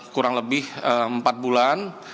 kurang lebih empat bulan